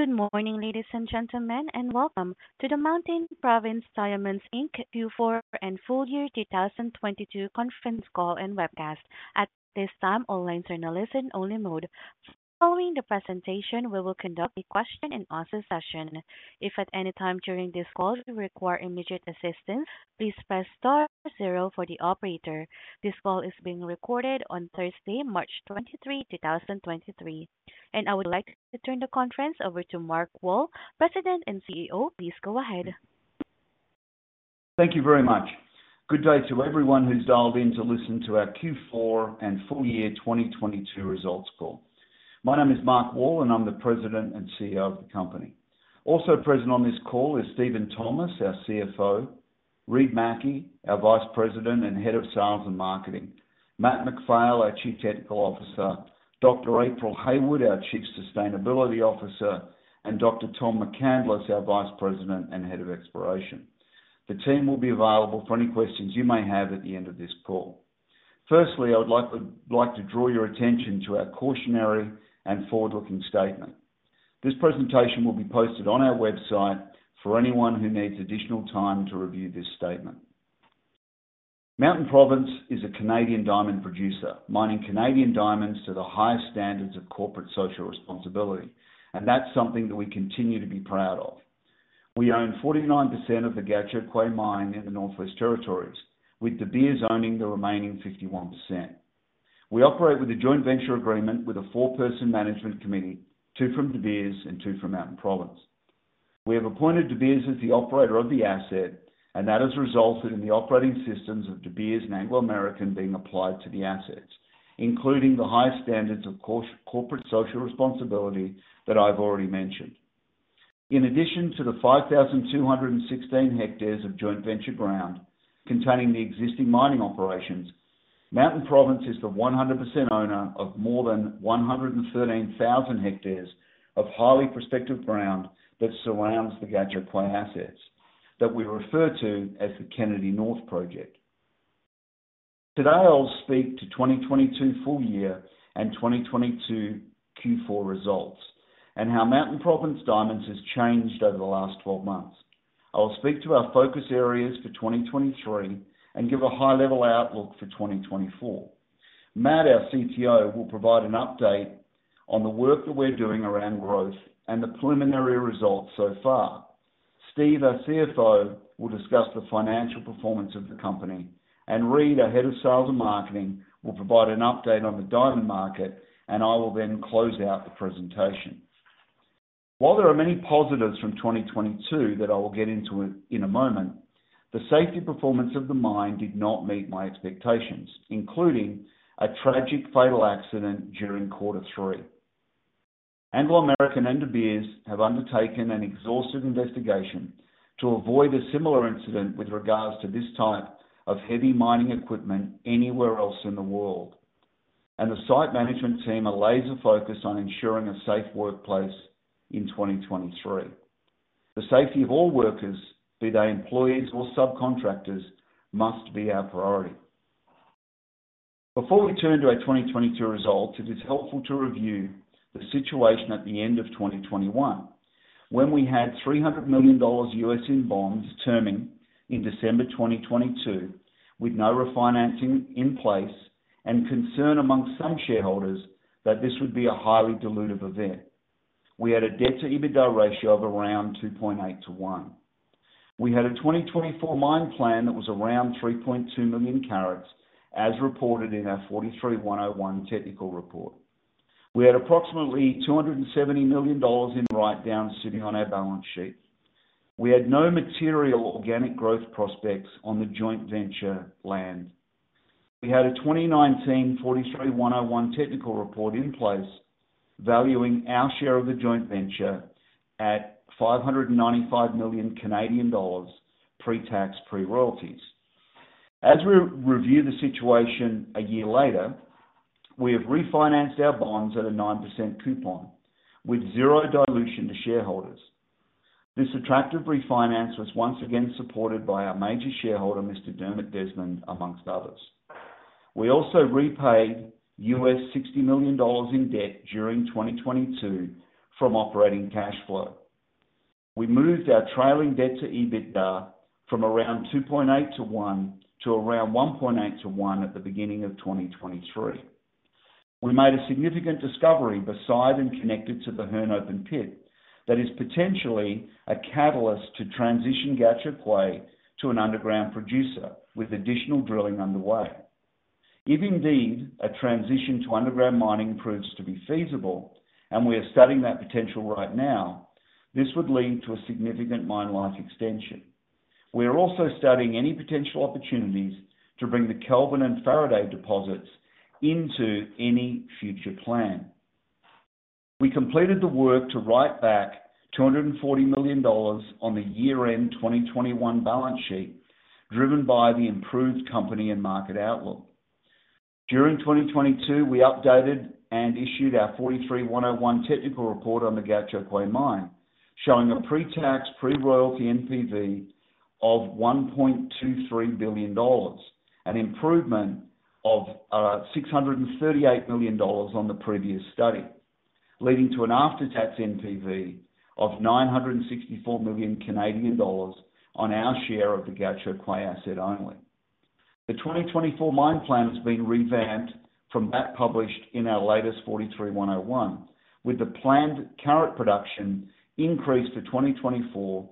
Good morning, ladies and gentlemen, welcome to the Mountain Province Diamonds Inc. Q4 and full year 2022 conference call and webcast. At this time, all lines are in a listen-only mode. Following the presentation, we will conduct a question and answer session. If at any time during this call you require immediate assistance, please press star zero for the operator. This call is being recorded on Thursday, March 23, 2023. I would like to turn the conference over to Mark Wall, President and CEO. Please go ahead. Thank you very much. Good day to everyone who's dialed in to listen to our Q4 and full year 2022 results call. My name is Mark Wall, I'm the President and CEO of the company. Also present on this call is Steven Thomas, our CFO, Reid Mackie, our Vice President and Head of Sales and Marketing, Matt MacPhail, our Chief Technical Officer, Dr. April Hayward, our Chief Sustainability Officer, and Dr. Tom McCandless, our Vice President and Head of Exploration. The team will be available for any questions you may have at the end of this call. Firstly, I would like to draw your attention to our cautionary and forward-looking statement. This presentation will be posted on our website for anyone who needs additional time to review this statement. Mountain Province is a Canadian diamond producer, mining Canadian diamonds to the highest standards of corporate social responsibility, that's something that we continue to be proud of. We own 49% of the Gahcho Kué mine in the Northwest Territories, with De Beers owning the remaining 51%. We operate with a four person management committee, two from De Beers and two from Mountain Province. We have appointed De Beers as the operator of the asset, that has resulted in the operating systems of De Beers and Anglo American being applied to the assets, including the highest standards, of course, corporate social responsibility that I've already mentioned. In addition to the 5,216 hectares of joint venture ground containing the existing mining operations, Mountain Province is the 100% owner of more than 113,000 hectares of highly prospective ground that surrounds the Gahcho Kué assets that we refer to as the Kennedy North project. Today, I'll speak to 2022 full year and 2022 Q4 results, and how Mountain Province Diamonds has changed over the last 12 months. I will speak to our focus areas for 2023 and give a high-level outlook for 2024. Matt, our CTO, will provide an update on the work that we're doing around growth and the preliminary results so far. Steve, our CFO, will discuss the financial performance of the company. Reid, our head of sales and marketing, will provide an update on the diamond market, and I will then close out the presentation. While there are many positives from 2022 that I will get into in a moment, the safety performance of the mine did not meet my expectations, including a tragic fatal accident during quarter three. Anglo American and De Beers have undertaken an exhaustive investigation to avoid a similar incident with regards to this type of heavy mining equipment anywhere else in the world. The site management team are laser focused on ensuring a safe workplace in 2023. The safety of all workers, be they employees or subcontractors, must be our priority. Before we turn to our 2022 results, it is helpful to review the situation at the end of 2021, when we had $300 million US in bonds terming in December 2022, with no refinancing in place and concern among some shareholders that this would be a highly dilutive event. We had a debt-to-EBITDA ratio of around 2.8 to 1. We had a 2024 mine plan that was around 3.2 million carats as reported in our 43-101 technical report. We had approximately $270 million in write-downs sitting on our balance sheet. We had no material organic growth prospects on the joint venture land. We had a 2019 43-101 technical report in place valuing our share of the joint venture at 595 million Canadian dollars pre-tax, pre-royalties. As we review the situation a year later, we have refinanced our bonds at a 9% coupon with zero dilution to shareholders. This attractive refinance was once again supported by our major shareholder, Mr. Dermot Desmond, amongst others. We also repaid $60 million in debt during 2022 from operating cash flow. We moved our trailing debt-to-EBITDA from around 2.8 to 1 to around 1.8 to 1 at the beginning of 2023. We made a significant discovery beside and connected to the Hearne open pit that is potentially a catalyst to transition Gahcho Kué to an underground producer with additional drilling underway. If indeed a transition to underground mining proves to be feasible, and we are studying that potential right now, this would lead to a significant mine life extension. We are also studying any potential opportunities to bring the Kelvin and Faraday deposits into any future plan. We completed the work to write back $240 million on the year-end 2021 balance sheet, driven by the improved company and market outlook. During 2022, we updated and issued our 43-101 technical report on the Gahcho Kué mine. Showing a pre-tax, pre-royalty NPV of $1.23 billion, an improvement of $638 million on the previous study, leading to an after-tax NPV of 964 million Canadian dollars on our share of the Gahcho Kué asset only. The 2024 mine plan has been revamped from that published in our latest 43-101, with the planned carat production increased for 2024,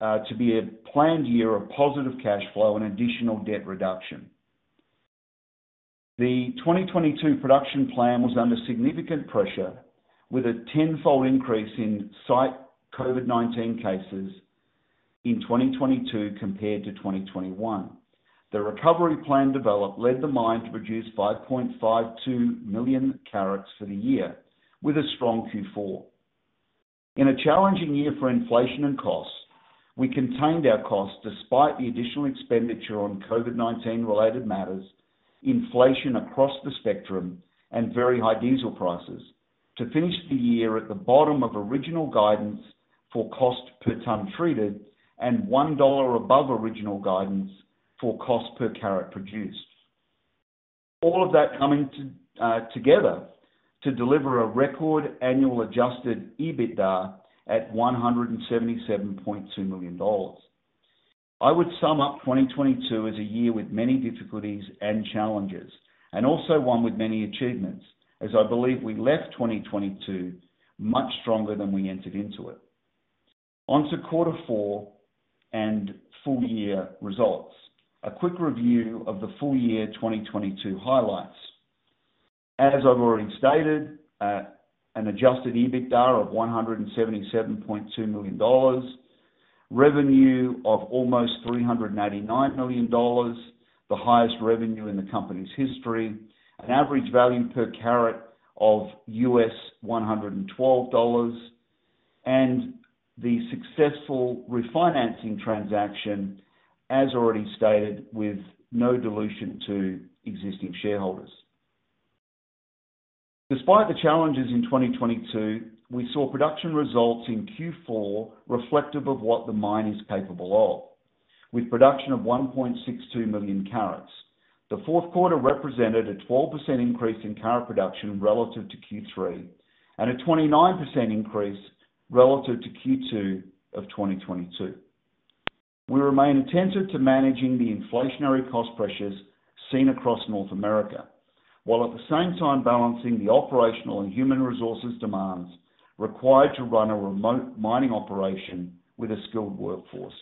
to be a planned year of positive cash flow and additional debt reduction. The 2022 production plan was under significant pressure with a 10-fold increase in site COVID-19 cases in 2022 compared to 2021. The recovery plan developed led the mine to produce 5.52 million carats for the year with a strong Q4. In a challenging year for inflation and costs, we contained our costs despite the additional expenditure on COVID-19 related matters, inflation across the spectrum, and very high diesel prices to finish the year at the bottom of original guidance for cost per tonne treated and $1 above original guidance for cost per carat recovered. All of that coming together to deliver a record annual adjusted EBITDA at $177.2 million. I would sum up 2022 as a year with many difficulties and challenges, and also one with many achievements, as I believe we left 2022 much stronger than we entered into it. To quarter four and full year results. A quick review of the full year 2022 highlights. As I've already stated, an adjusted EBITDA of $177.2 million, revenue of almost $389 million, the highest revenue in the company's history, an average value per carat of US$112, and the successful refinancing transaction, as already stated, with no dilution to existing shareholders. Despite the challenges in 2022, we saw production results in Q4 reflective of what the mine is capable of. With production of 1.62 million carats, the fourth quarter represented a 12% increase in carat production relative to Q3, and a 29% increase relative to Q2 of 2022. We remain attentive to managing the inflationary cost pressures seen across North America, while at the same time balancing the operational and human resources demands required to run a remote mining operation with a skilled workforce.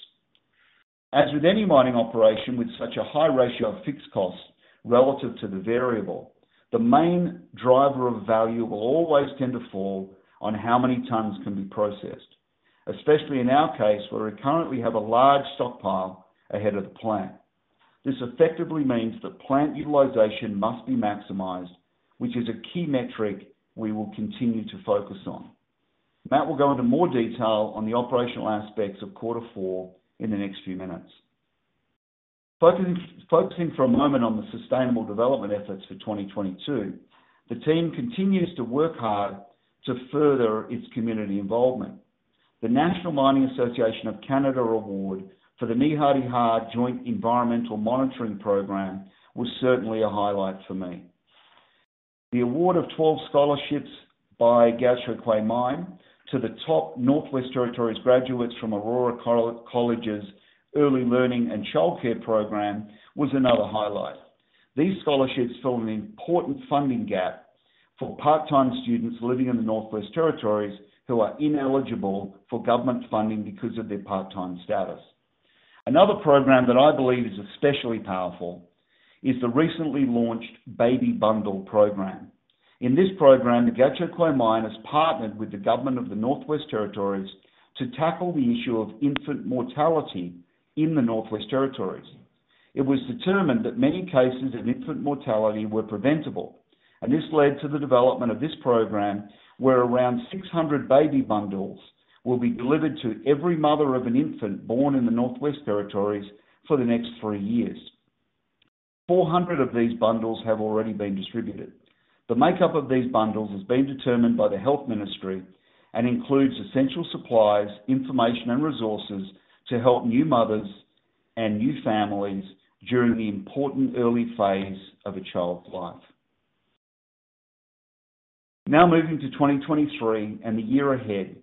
As with any mining operation with such a high ratio of fixed costs relative to the variable, the main driver of value will always tend to fall on how many tons can be processed, especially in our case, where we currently have a large stockpile ahead of the plant. This effectively means that plant utilization must be maximized, which is a key metric we will continue to focus on. Matt will go into more detail on the operational aspects of quarter four in the next few minutes. Focusing for a moment on the sustainable development efforts for 2022, the team continues to work hard to further its community involvement. The Mining Association of Canada Award for the Ní Hadi Xa was certainly a highlight for me. The award of 12 scholarships by Gahcho Kué Mine to the top Northwest Territories graduates from Aurora College's Early Learning and Child Care program was another highlight. These scholarships fill an important funding gap for part-time students living in the Northwest Territories who are ineligible for government funding because of their part-time status. Another program that I believe is especially powerful is the recently launched Baby Bundle Program. In this program, the Gahcho Kué Mine has partnered with the government of the Northwest Territories to tackle the issue of infant mortality in the Northwest Territories. It was determined that many cases of infant mortality were preventable, and this led to the development of this program, where around 600 baby bundles will be delivered to every mother of an infant born in the Northwest Territories for the next three years. 400 of these bundles have already been distributed. The makeup of these bundles has been determined by the health ministry and includes essential supplies, information and resources to help new mothers and new families during the important early phase of a child's life. Now moving to 2023 and the year ahead,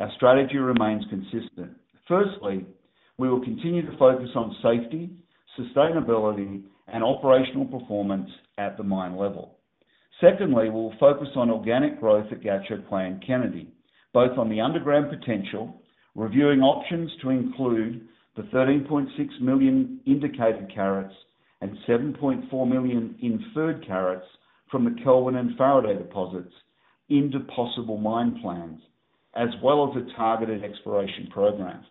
our strategy remains consistent. Firstly, we will continue to focus on safety, sustainability, and operational performance at the mine level. Secondly, we'll focus on organic growth at Gahcho Kué and Kennedy, both on the underground potential, reviewing options to include the 13.6 million indicated carats and 7.4 million inferred carats from the Kelvin and Faraday deposits into possible mine plans, as well as a targeted exploration program.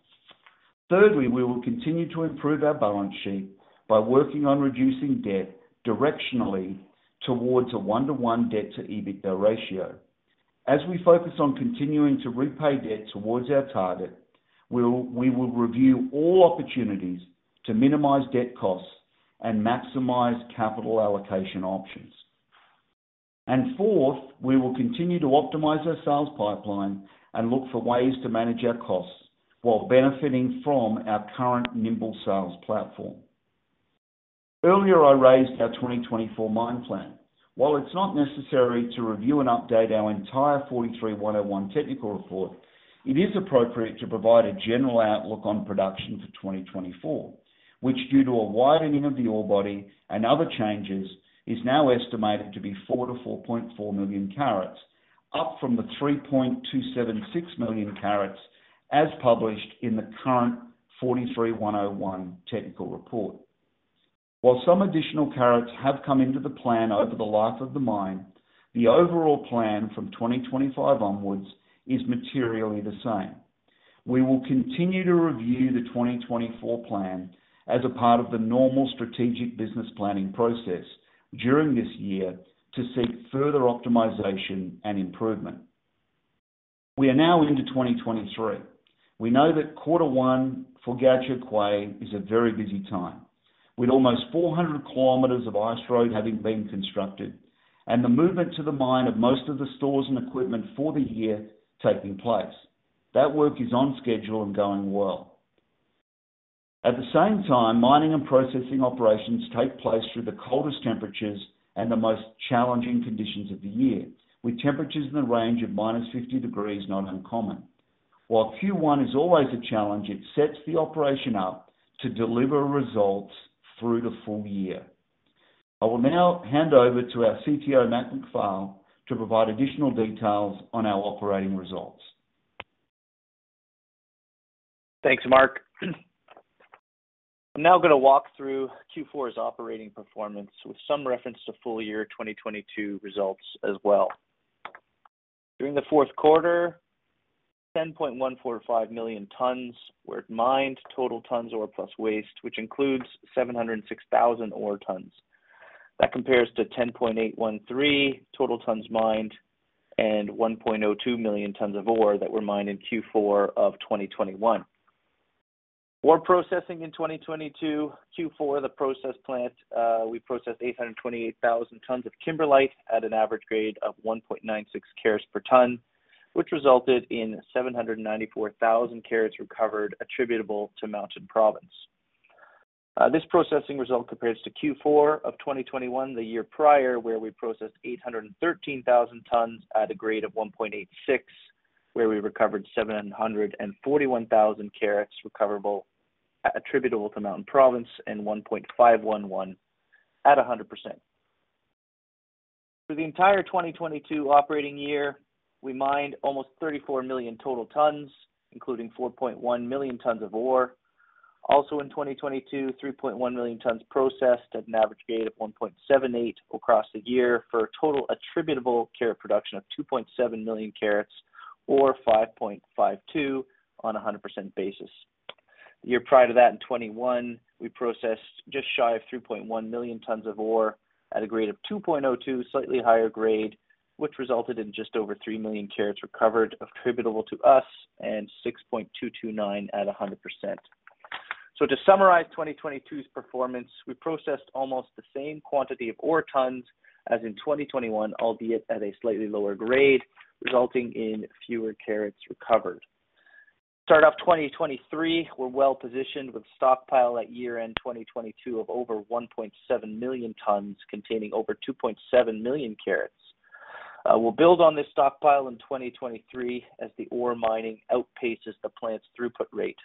Thirdly, we will continue to improve our balance sheet by working on reducing debt directionally towards a one-to-one debt to EBITDA ratio. As we focus on continuing to repay debt towards our target, we will review all opportunities to minimize debt costs and maximize capital allocation options. Fourth, we will continue to optimize our sales pipeline and look for ways to manage our costs while benefiting from our current nimble sales platform. Earlier, I raised our 2024 mine plan. While it's not necessary to review and update our entire 43-101 technical report, it is appropriate to provide a general outlook on production for 2024, which, due to a widening of the ore body and other changes, is now estimated to be four million-4.4 million carats, up from the 3.276 million carats as published in the current 43-101 technical report. While some additional carats have come into the plan over the life of the mine, the overall plan from 2025 onwards is materially the same. We will continue to review the 2024 plan as a part of the normal strategic business planning process during this year to seek further optimization and improvement. We are now into 2023. We know that quarter one for Gahcho Kué is a very busy time, with almost 400 kilometers of ice road having been constructed and the movement to the mine of most of the stores and equipment for the year taking place. That work is on schedule and going well. At the same time, mining and processing operations take place through the coldest temperatures and the most challenging conditions of the year, with temperatures in the range of -50 degrees not uncommon. While Q1 is always a challenge, it sets the operation up to deliver results through the full year. I will now hand over to our CTO, Matt MacPhail, to provide additional details on our operating results. Thanks, Mark. I'm now gonna walk through Q4's operating performance with some reference to full year 2022 results as well. During the fourth quarter, 10.145 million tons were mined, total tons ore plus waste, which includes 706,000 ore tons. That compares to 10.813 total tons mined and 1.02 million tons of ore that were mined in Q4 of 2021. Ore processing in 2022, Q4, the process plant, we processed 828,000 tons of kimberlite at an average grade of 1.96 carats per ton, which resulted in 794,000 carats recovered attributable to Mountain Province. This processing result compares to Q4 of 2021, the year prior, where we processed 813,000 tons at a grade of 1.86, where we recovered 741,000 carats recoverable, attributable to Mountain Province and 1.511 at 100%. For the entire 2022 operating year, we mined almost 34 million total tons, including 4.1 million tons of ore. In 2022, 3.1 million tons processed at an average grade of 1.78 across the year for a total attributable carat production of 2.7 million carats or 5.52 on a 100% basis. The year prior to that, in 2021, we processed just shy of 3.1 million tons of ore at a grade of 2.02, slightly higher grade, which resulted in just over three million carats recovered attributable to us and 6.229 at 100%. To summarize 2022's performance, we processed almost the same quantity of ore tons as in 2021, albeit at a slightly lower grade, resulting in fewer carats recovered. To start off 2023, we're well-positioned with stockpile at year-end 2022 of over 1.7 million tons containing over 2.7 million carats. We'll build on this stockpile in 2023 as the ore mining outpaces the plant's throughput rate.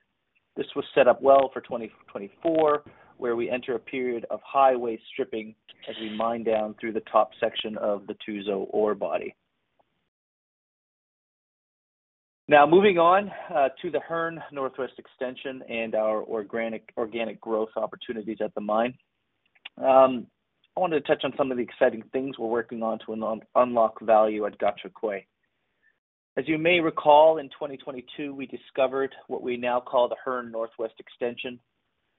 This was set up well for 2024, where we enter a period of highway stripping as we mine down through the top section of the Tuzo ore body. Moving on to the Hearne Northwest Extension and our organic growth opportunities at the mine. I wanted to touch on some of the exciting things we're working on to unlock value at Gahcho Kué. As you may recall, in 2022, we discovered what we now call the Hearne Northwest Extension,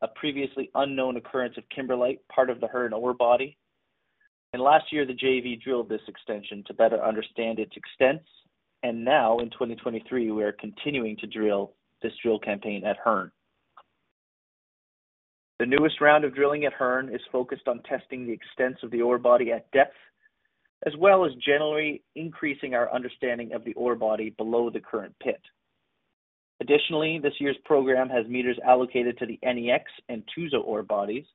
a previously unknown occurrence of kimberlite, part of the Hearne ore body. Last year, the JV drilled this extension to better understand its extents. In 2023, we are continuing to drill this drill campaign at Hearne. The newest round of drilling at Hearne is focused on testing the extents of the ore body at depth, as well as generally increasing our understanding of the ore body below the current pit. This year's program has meters allocated to the NEX and Tuzo ore bodies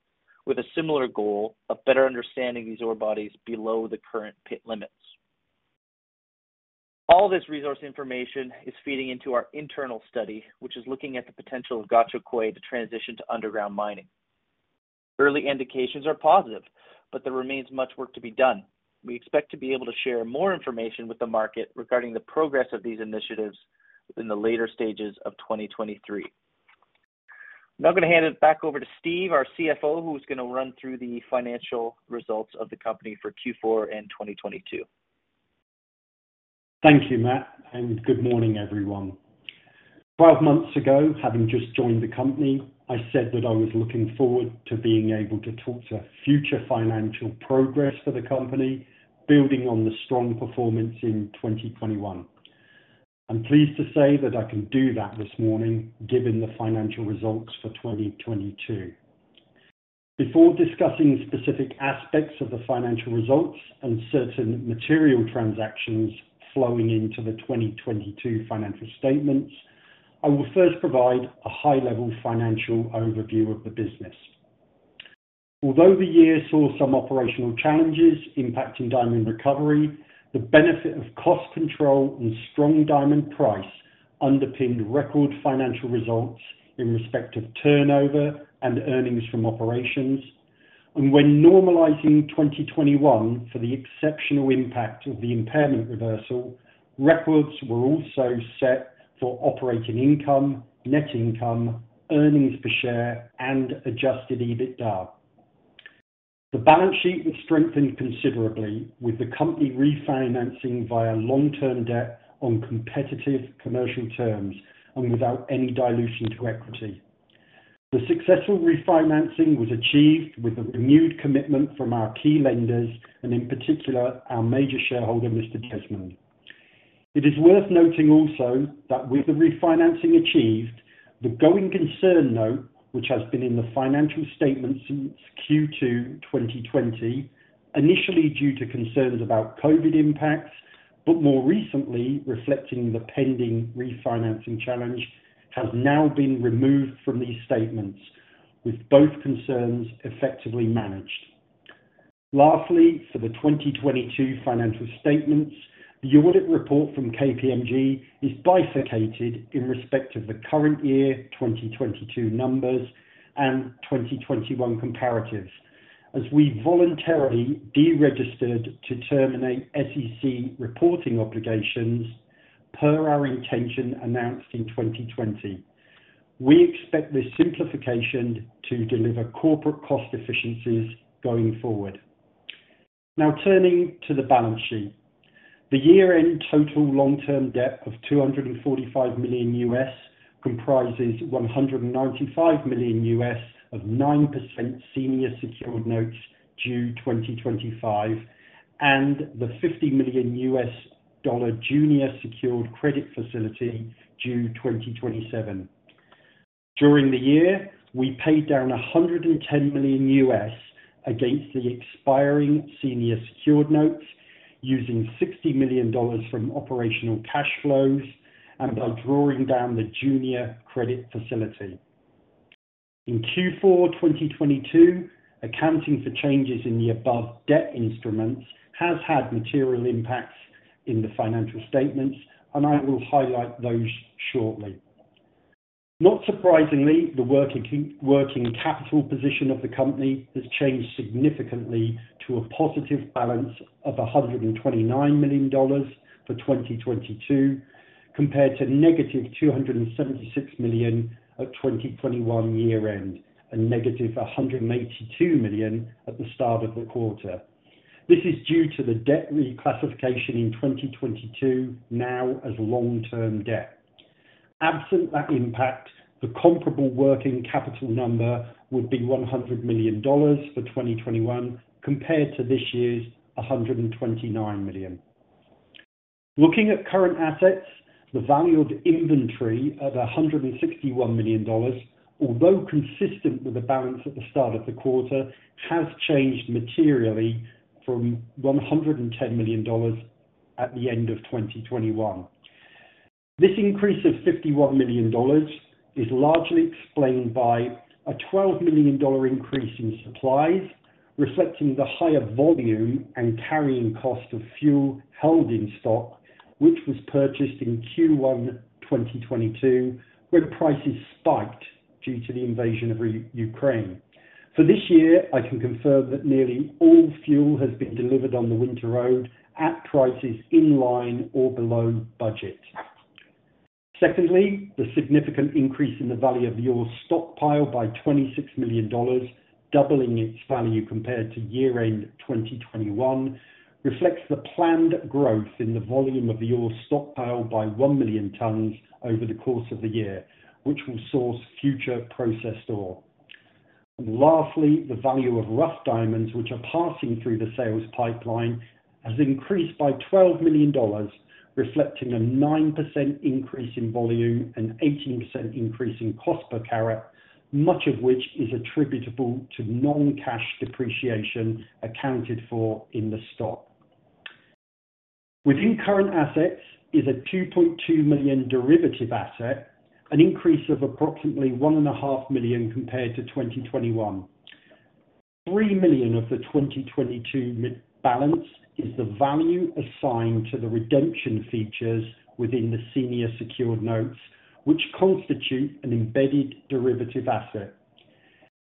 with a similar goal of better understanding these ore bodies below the current pit limits. All this resource information is feeding into our internal study, which is looking at the potential of Gahcho Kué to transition to underground mining. Early indications are positive. There remains much work to be done. We expect to be able to share more information with the market regarding the progress of these initiatives in the later stages of 2023. I'm gonna hand it back over to Steve, our CFO, who's gonna run through the financial results of the company for Q4 and 2022. Thank you, Matt, and good morning, everyone. 12 months ago, having just joined the company, I said that I was looking forward to being able to talk to future financial progress for the company, building on the strong performance in 2021. I'm pleased to say that I can do that this morning, given the financial results for 2022. Before discussing specific aspects of the financial results and certain material transactions flowing into the 2022 financial statements, I will first provide a high-level financial overview of the business. Although the year saw some operational challenges impacting diamond recovery, the benefit of cost control and strong diamond price underpinned record financial results in respect of turnover and earnings from operations. When normalizing 2021 for the exceptional impact of the impairment reversal, records were also set for operating income, net income, earnings per share, and adjusted EBITDA. The balance sheet was strengthened considerably with the company refinancing via long-term debt on competitive commercial terms and without any dilution to equity. The successful refinancing was achieved with a renewed commitment from our key lenders and, in particular, our major shareholder, Mr. Desmond. It is worth noting also that with the refinancing achieved, the going concern note, which has been in the financial statements since Q2 2020, initially due to concerns about COVID impacts, but more recently reflecting the pending refinancing challenge, has now been removed from these statements, with both concerns effectively managed. For the 2022 financial statements, the audit report from KPMG is bifurcated in respect of the current year, 2022 numbers and 2021 comparatives, as we voluntarily deregistered to terminate SEC reporting obligations per our intention announced in 2020. We expect this simplification to deliver corporate cost efficiencies going forward. Turning to the balance sheet. The year-end total long-term debt of $245 million comprises $195 million of 9% Senior Secured Second Lien Notes due 2025, and the $50 million junior secured credit facility due 2027. During the year, we paid down $110 million against the expiring Senior Secured Second Lien Notes using $60 million from operational cash flows and by drawing down the junior credit facility. In Q4 2022, accounting for changes in the above debt instruments has had material impacts in the financial statements, and I will highlight those shortly. Not surprisingly, the working capital position of the company has changed significantly to a positive balance of $129 million for 2022, compared to negative $276 million at 2021 year-end, and negative $182 million at the start of the quarter. This is due to the debt reclassification in 2022, now as long-term debt. Absent that impact, the comparable working capital number would be $100 million for 2021 compared to this year's $129 million. Looking at current assets, the value of inventory of $161 million, although consistent with the balance at the start of the quarter, has changed materially from $110 million at the end of 2021. This increase of $51 million is largely explained by a $12 million increase in supplies, reflecting the higher volume and carrying cost of fuel held in stock, which was purchased in Q1 2022, when prices spiked due to the invasion of Ukraine. For this year, I can confirm that nearly all fuel has been delivered on the Winter Road at prices in line or below budget. Secondly, the significant increase in the value of the ore stockpile by $26 million, doubling its value compared to year-end 2021, reflects the planned growth in the volume of the ore stockpile by one million tons over the course of the year, which will source future processed ore. The value of rough diamonds, which are passing through the sales pipeline, has increased by $12 million, reflecting a 9% increase in volume and 18% increase in cost per carat, much of which is attributable to non-cash depreciation accounted for in the stock. Within current assets is a $2.2 million derivative asset, an increase of approximately one and a half million compared to 2021. $3 million of the 2022 balance is the value assigned to the redemption features within the senior secured notes, which constitute an embedded derivative asset.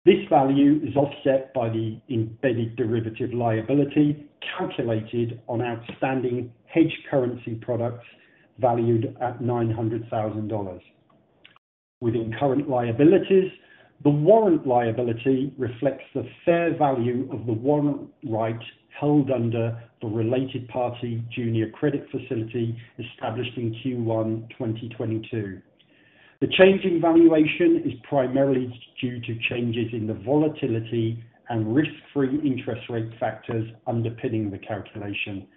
This value is offset by the embedded derivative liability calculated on outstanding hedge currency products valued at $900,000. Within current liabilities, the warrant liability reflects the fair value of the warrant right held under the related party junior credit facility established in Q1 2022. The change in valuation is primarily due to changes in the volatility and risk-free interest rate factors underpinning the calculation,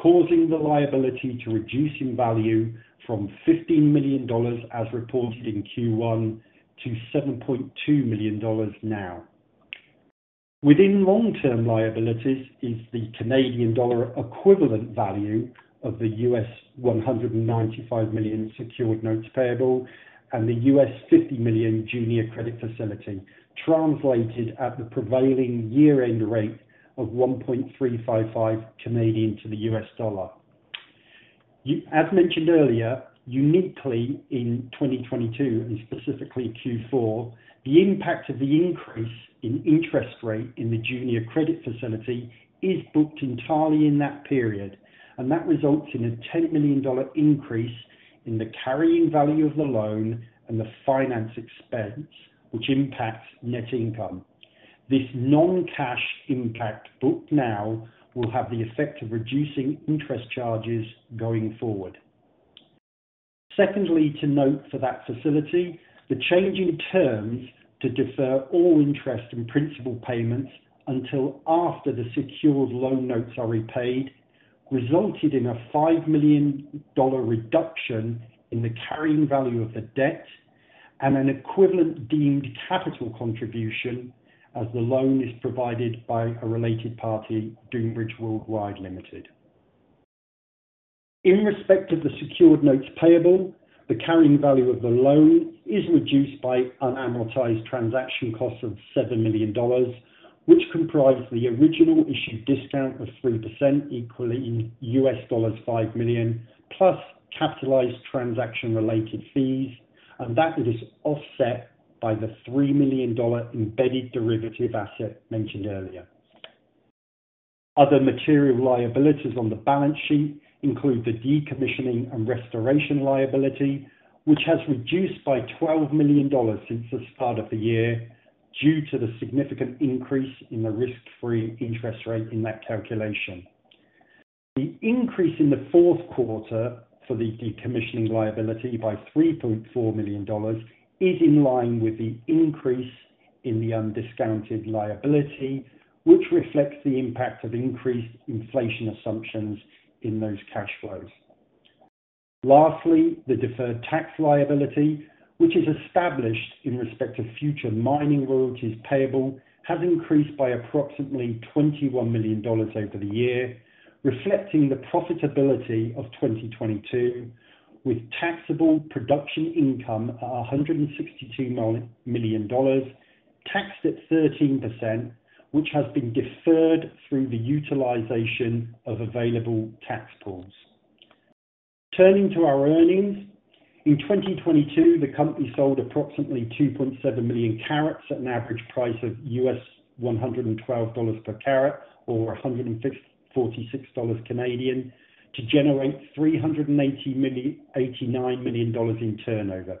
causing the liability to reduce in value from $15 million as reported in Q1 to $7.2 million now. Within long-term liabilities is the Canadian dollar equivalent value of the U.S. $195 million secured notes payable and the U.S. $50 million junior credit facility translated at the prevailing year-end rate of 1.355 Canadian to the U.S. dollar. You, as mentioned earlier, uniquely in 2022 and specifically Q4, the impact of the increase in interest rate in the junior credit facility is booked entirely in that period, that results in a $10 million increase in the carrying value of the loan and the finance expense which impacts net income. This non-cash impact booked now will have the effect of reducing interest charges going forward. To note for that facility, the change in terms to defer all interest and principal payments until after the Senior Secured Second Lien Notes are repaid resulted in a $5 million reduction in the carrying value of the debt and an equivalent deemed capital contribution as the loan is provided by a related party, Dunebridge Worldwide Limited. In respect of the Senior Secured Second Lien Notes payable, the carrying value of the loan is reduced by unamortized transaction costs of $7 million, which comprise the original issue discount of 3%, equaling $5 million, plus capitalized transaction related fees, and that is offset by the $3 million embedded derivative asset mentioned earlier. Other material liabilities on the balance sheet include the decommissioning and restoration liability, which has reduced by $12 million since the start of the year due to the significant increase in the risk-free interest rate in that calculation. The increase in the fourth quarter for the decommissioning liability by $3.4 million is in line with the increase in the undiscounted liability, which reflects the impact of increased inflation assumptions in those cash flows. The deferred tax liability, which is established in respect of future mining royalties payable, has increased by approximately $21 million over the year, reflecting the profitability of 2022, with taxable production income at $162 million taxed at 13%, which has been deferred through the utilization of available tax pools. Turning to our earnings. In 2022, the company sold approximately 2.7 million carats at an average price of US$112 per carat, or 146 Canadian dollars to generate $389 million in turnover.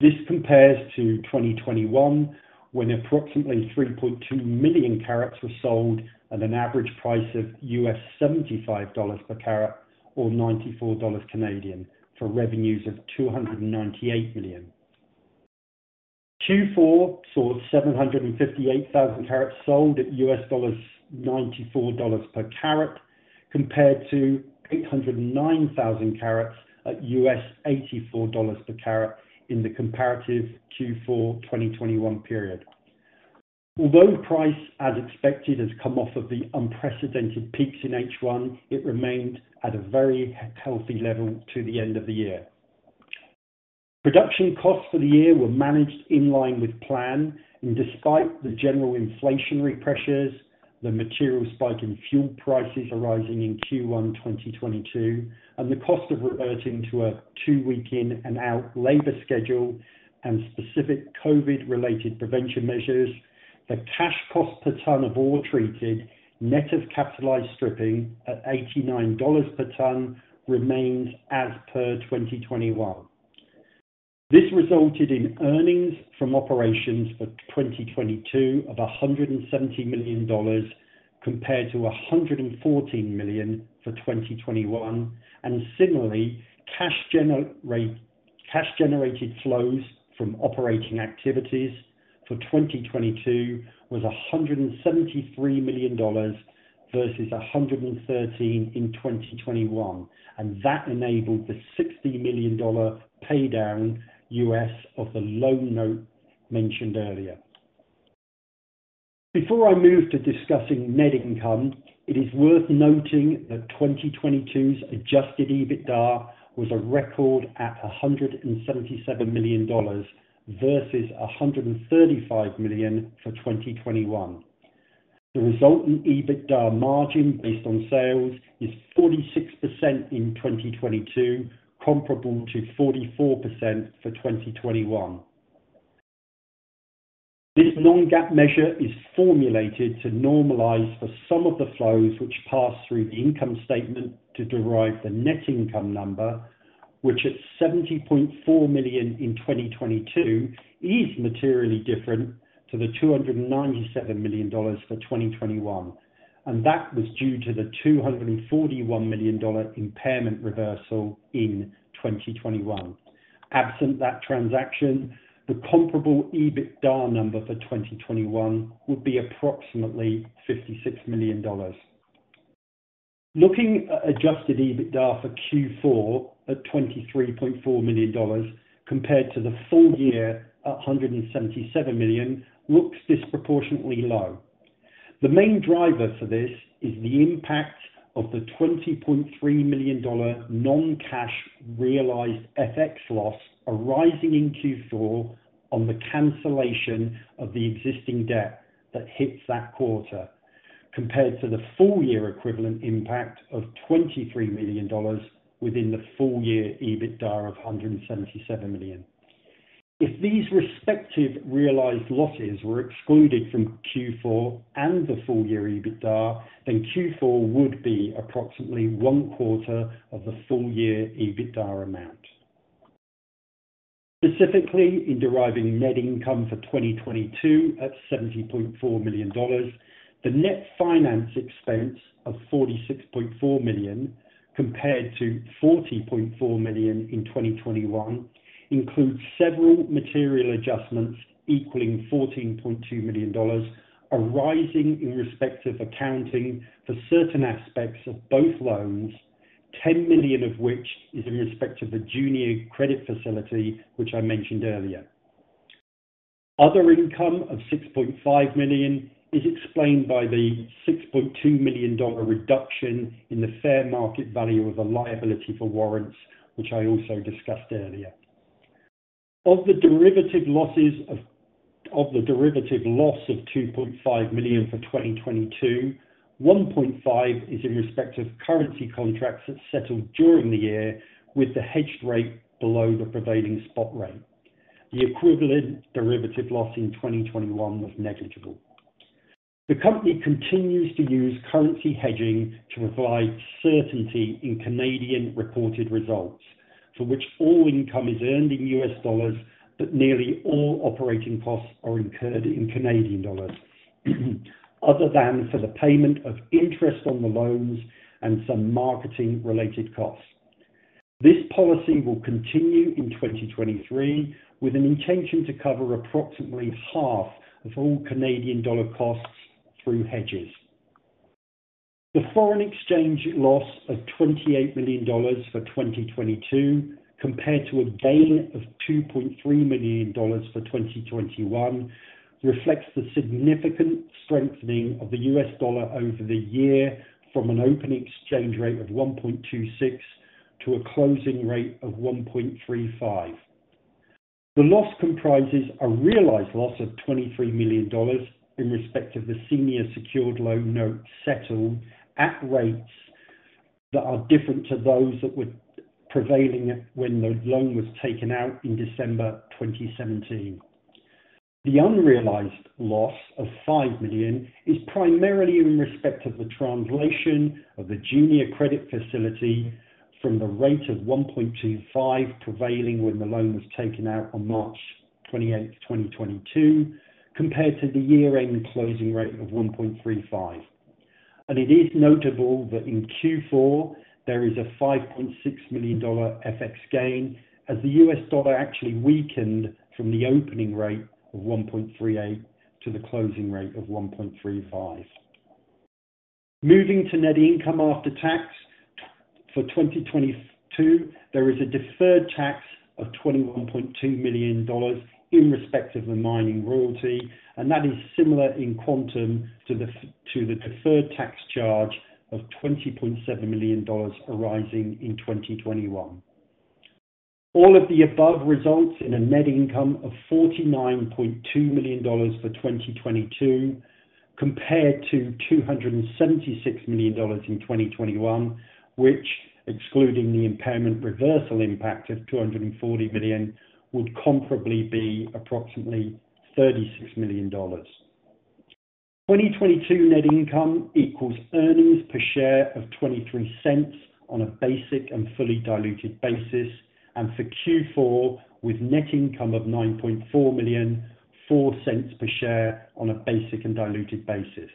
This compares to 2021, when approximately 3.2 million carats were sold at an average price of US$75 per carat, or 94 Canadian dollars for revenues of $298 million. Q4 saw 758,000 carats sold at US$94 per carat, compared to 809,000 carats at US$84 per carat in the comparative Q4 2021 period. Although price as expected has come off of the unprecedented peaks in H1, it remained at a very healthy level to the end of the year. Production costs for the year were managed in line with plan. Despite the general inflationary pressures, the material spike in fuel prices arising in Q1 2022, and the cost of reverting to a two week in and out labor schedule and specific COVID-related prevention measures, the cash cost per ton of ore treated, net of capitalized stripping at $89 per ton remains as per 2021. This resulted in earnings from operations for 2022 of $170 million, compared to $114 million for 2021. Similarly, cash generated flows from operating activities for 2022 was $173 million versus $113 million in 2021. That enabled the $60 million pay down U.S. of the loan note mentioned earlier. Before I move to discussing net income, it is worth noting that 2022's adjusted EBITDA was a record at $177 million versus $135 million for 2021. The resultant EBITDA margin based on sales is 46% in 2022, comparable to 44% for 2021. This non-GAAP measure is formulated to normalize for some of the flows which pass through the income statement to derive the net income number, which at $70.4 million in 2022 is materially different to the $297 million for 2021. That was due to the $241 million impairment reversal in 2021. Absent that transaction, the comparable EBITDA number for 2021 would be approximately $56 million. Looking at adjusted EBITDA for Q4 at $23.4 million compared to the full year at $177 million looks disproportionately low. The main driver for this is the impact of the $20.3 million non-cash realized FX loss arising in Q4 on the cancellation of the existing debt that hits that quarter, compared to the full year equivalent impact of $23 million within the full year EBITDA of $177 million. If these respective realized losses were excluded from Q4 and the full year EBITDA, Q4 would be approximately one quarter of the full year EBITDA amount. Specifically, in deriving net income for 2022 at $70.4 million, the net finance expense of $46.4 million compared to $40.4 million in 2021 includes several material adjustments equaling $14.2 million, arising in respect of accounting for certain aspects of both loans, $10 million of which is in respect of the junior secured credit facility, which I mentioned earlier. Other income of $6.5 million is explained by the $6.2 million reduction in the fair market value of the warrant liability, which I also discussed earlier. Of the derivative loss of $2.5 million for 2022, $1.5 is in respect of currency contracts that settled during the year with the hedged rate below the prevailing spot rate. The equivalent derivative loss in 2021 was negligible. The company continues to use currency hedging to provide certainty in Canadian reported results, for which all income is earned in US dollars, but nearly all operating costs are incurred in Canadian dollars other than for the payment of interest on the loans and some marketing related costs. This policy will continue in 2023 with an intention to cover approximately half of all Canadian dollar costs through hedges. The foreign exchange loss of $28 million for 2022 compared to a gain of $2.3 million for 2021 reflects the significant strengthening of the US dollar over the year from an open exchange rate of 1.26 to a closing rate of 1.35. The loss comprises a realized loss of $23 million in respect of the senior secured loan note settled at rates that are different to those that were prevailing when the loan was taken out in December 2017. The unrealized loss of $5 million is primarily in respect of the translation of the junior credit facility from the rate of 1.25 prevailing when the loan was taken out on March 28th 2022, compared to the year-end closing rate of 1.35. It is notable that in Q4 there is a $5.6 million FX gain as the US dollar actually weakened from the opening rate of 1.38 to the closing rate of 1.35. Moving to net income after tax for 2022, there is a deferred tax of $21.2 million in respect of the mining royalty. That is similar in quantum to the deferred tax charge of $20.7 million arising in 2021. All of the above results in a net income of $49.2 million for 2022 compared to $276 million in 2021, which excluding the impairment reversal impact of $240 million, would comparably be approximately $36 million. 2022 net income equals earnings per share of $0.23 on a basic and fully diluted basis, for Q4 with net income of $9.4 million, $0.04 per share on a basic and diluted basis.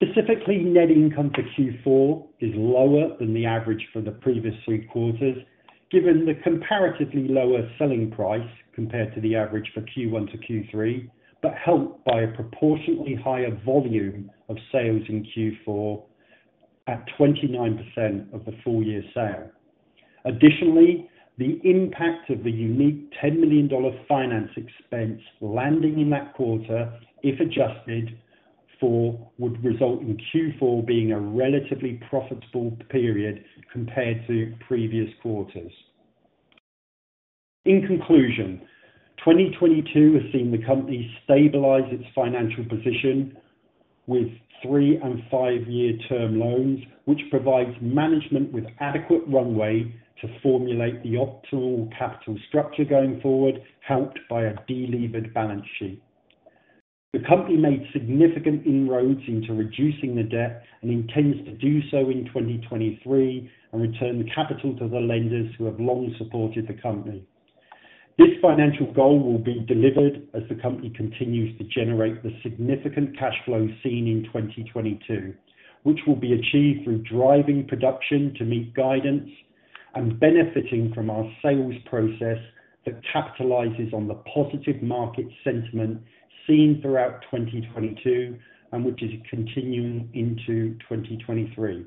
Specifically, net income for Q4 is lower than the average for the previous three quarters, given the comparatively lower selling price compared to the average for Q1 to Q3, but helped by a proportionately higher volume of sales in Q4 at 29% of the full year sale. Additionally, the impact of the unique $10 million finance expense landing in that quarter, if adjusted for, would result in Q4 being a relatively profitable period compared to previous quarters. In conclusion, 2022 has seen the company stabilize its financial position with three and five years term loans, which provides management with adequate runway to formulate the optimal capital structure going forward, helped by a delevered balance sheet. The company made significant inroads into reducing the debt and intends to do so in 2023 and return the capital to the lenders who have long supported the company. This financial goal will be delivered as the company continues to generate the significant cash flow seen in 2022, which will be achieved through driving production to meet guidance. Benefiting from our sales process that capitalizes on the positive market sentiment seen throughout 2022, and which is continuing into 2023.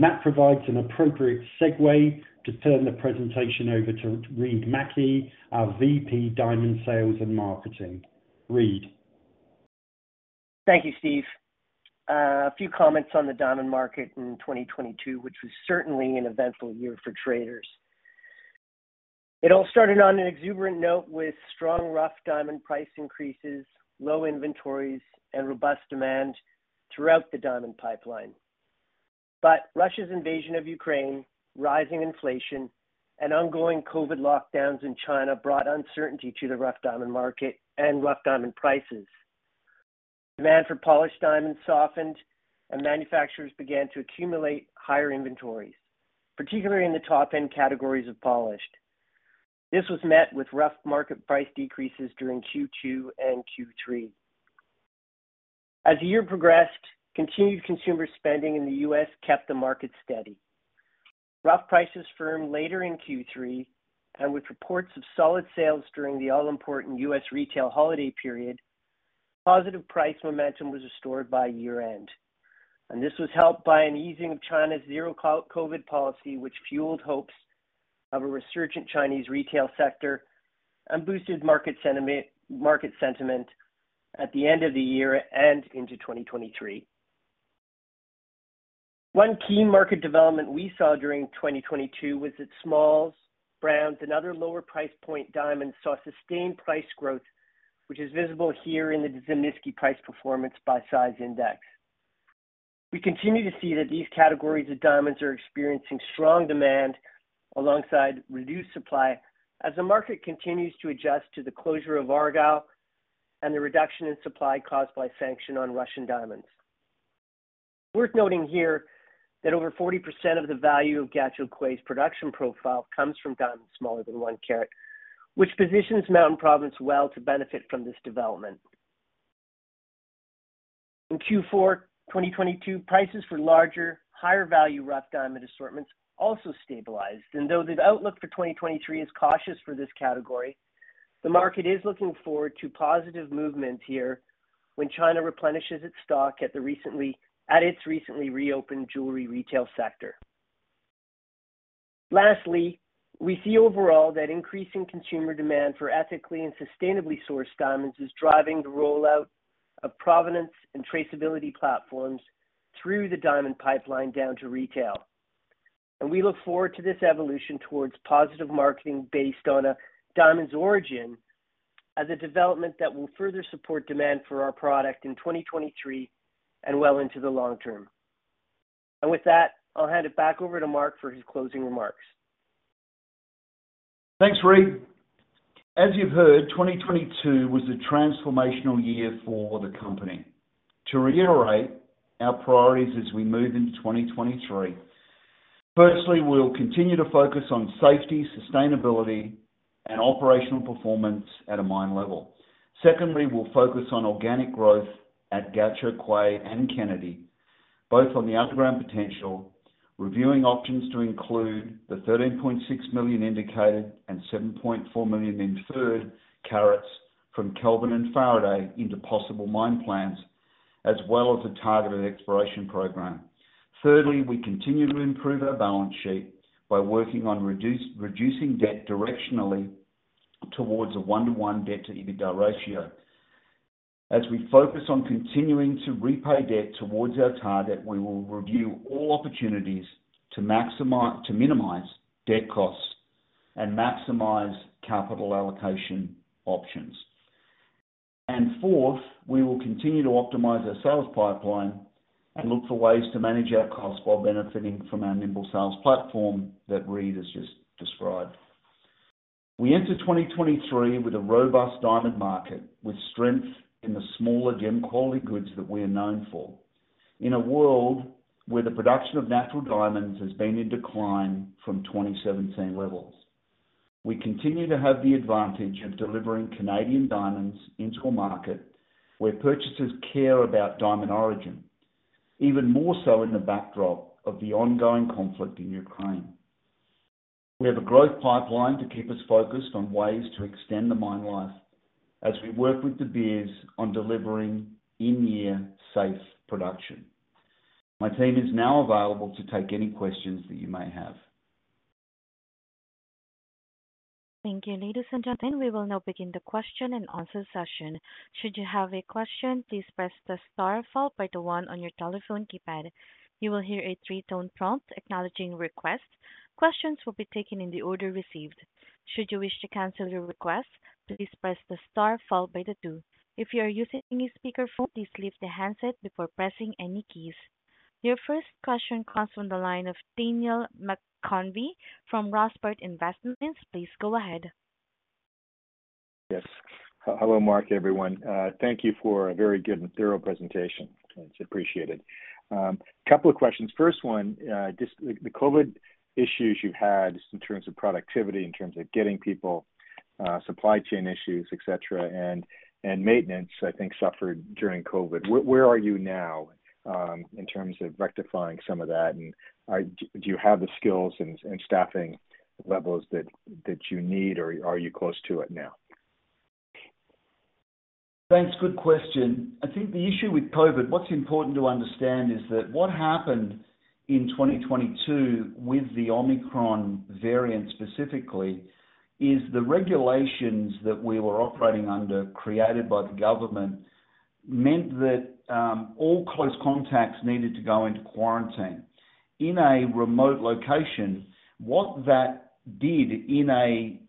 That provides an appropriate segue to turn the presentation over to Reid Mackie, our VP Diamond Sales and Marketing. Reid. Thank you, Steve. A few comments on the diamond market in 2022, which was certainly an eventful year for traders. It all started on an exuberant note with strong rough diamond price increases, low inventories, and robust demand throughout the diamond pipeline. Russia's invasion of Ukraine, rising inflation, and ongoing COVID lockdowns in China brought uncertainty to the rough diamond market and rough diamond prices. Demand for polished diamonds softened, and manufacturers began to accumulate higher inventories, particularly in the top-end categories of polished. This was met with rough market price decreases during Q2 and Q3. As the year progressed, continued consumer spending in the U.S. kept the market steady. Rough prices firmed later in Q3, and with reports of solid sales during the all-important U.S. retail holiday period, positive price momentum was restored by year-end. This was helped by an easing of China's zero-COVID policy, which fueled hopes of a resurgent Chinese retail sector and boosted market sentiment at the end of the year and into 2023. One key market development we saw during 2022 was that smalls, browns, and other lower price point diamonds saw sustained price growth, which is visible here in the Zimnisky Price Performance by Size Index. We continue to see that these categories of diamonds are experiencing strong demand alongside reduced supply as the market continues to adjust to the closure of Argyle and the reduction in supply caused by sanction on Russian diamonds. Worth noting here that over 40% of the value of Gahcho Kué's production profile comes from diamonds smaller than one carat, which positions Mountain Province well to benefit from this development. In Q4 2022, prices for larger, higher value rough diamond assortments also stabilized. Though the outlook for 2023 is cautious for this category, the market is looking forward to positive movements here when China replenishes its stock at its recently reopened jewelry retail sector. Lastly, we see overall that increasing consumer demand for ethically and sustainably sourced diamonds is driving the rollout of provenance and traceability platforms through the diamond pipeline down to retail. We look forward to this evolution towards positive marketing based on a diamond's origin as a development that will further support demand for our product in 2023 and well into the long-term. With that, I'll hand it back over to Mark for his closing remarks. Thanks, Reid Mackie. As you've heard, 2022 was a transformational year for the company. To reiterate our priorities as we move into 2023, firstly, we'll continue to focus on safety, sustainability, and operational performance at a mine level. Secondly, we'll focus on organic growth at Gahcho Kué and Kennedy, both on the underground potential, reviewing options to include the 13.6 million indicated and 7.4 million inferred carats from Kelvin and Faraday into possible mine plans, as well as a targeted exploration program. Thirdly, we continue to improve our balance sheet by working on reducing debt directionally towards a one-to-one debt-to-EBITDA ratio. As we focus on continuing to repay debt towards our target, we will review all opportunities to minimize debt costs and maximize capital allocation options. Fourth, we will continue to optimize our sales pipeline and look for ways to manage our costs while benefiting from our nimble sales platform that Reid has just described. We enter 2023 with a robust diamond market, with strength in the smaller gem quality goods that we are known for, in a world where the production of natural diamonds has been in decline from 2017 levels. We continue to have the advantage of delivering Canadian diamonds into a market where purchasers care about diamond origin, even more so in the backdrop of the ongoing conflict in Ukraine. We have a growth pipeline to keep us focused on ways to extend the mine life as we work with De Beers on delivering in-year safe production. My team is now available to take any questions that you may have. Thank you. Ladies and gentlemen, we will now begin the question and answer session. Should you have a question, please press the star followed by the one on your telephone keypad. You will hear a three-tone prompt acknowledging request. Questions will be taken in the order received. Should you wish to cancel your request, please press the star followed by the two. If you are using a speakerphone, please leave the handset before pressing any keys. Your first question comes from the line of Daniel McConvey from Rossport Investments. Please go ahead. Yes. Hello, Mark, everyone. Thank you for a very good and thorough presentation. It's appreciated. Couple of questions. First one, just the COVID issues you've had in terms of productivity, in terms of getting people, supply chain issues, et cetera, and maintenance, I think, suffered during COVID. Where are you now, in terms of rectifying some of that? Do you have the skills and staffing levels that you need, or are you close to it now? Thanks. Good question. I think the issue with COVID, what's important to understand is that what happened in 2022 with the Omicron variant specifically, is the regulations that we were operating under, created by the government, meant that all close contacts needed to go into quarantine. In a remote location, what that did in a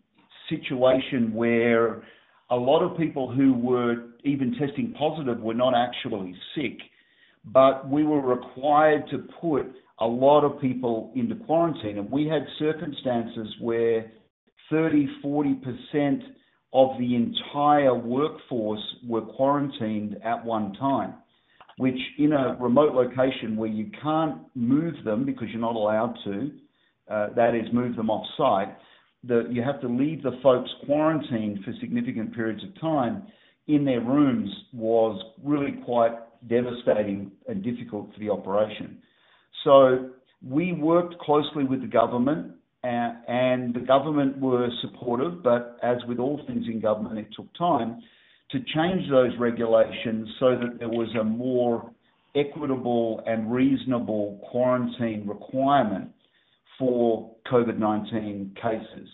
situation where a lot of people who were even testing positive were not actually sick, but we were required to put a lot of people into quarantine. We had circumstances where 30%, 40% of the entire workforce were quarantined at one time, which in a remote location where you can't move them because you're not allowed to, that is, move them off-site, you have to leave the folks quarantined for significant periods of time in their rooms, was really quite devastating and difficult for the operation. We worked closely with the government, and the government were supportive, but as with all things in government, it took time to change those regulations so that there was a more equitable and reasonable quarantine requirement for COVID-19 cases